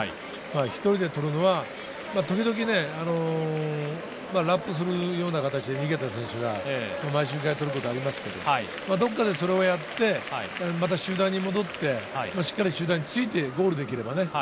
１人でとるのはときどきラップするような形で逃げた選手が毎周回、取ることはありますけれど、どこかでそれをやって、また集団に戻ってしっかり集団についてゴールできればね。